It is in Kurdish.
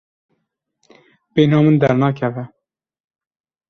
Bêhna min dernakeve.